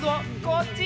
こっち。